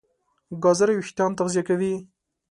ګازرې وېښتيان تغذیه کوي.